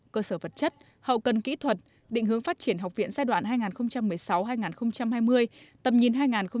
cơ sở vật chất hậu cần kỹ thuật định hướng phát triển học viện giai đoạn hai nghìn một mươi sáu hai nghìn hai mươi tầm nhìn hai nghìn hai mươi năm